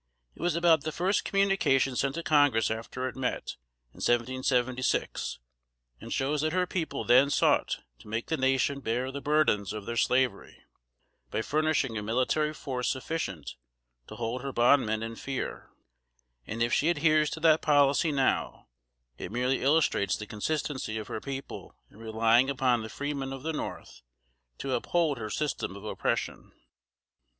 It was about the first communication sent to Congress after it met, in 1776, and shows that her people then sought to make the nation bear the burthens of their slavery, by furnishing a military force sufficient to hold her bondmen in fear; and if she adheres to that policy now, it merely illustrates the consistency of her people in relying upon the freemen of the North to uphold her system of oppression. [Sidenote: 1776.